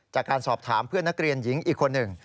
จากการสอบถามเพื่อนนักเรียนหญิงอีกคนหนึ่ง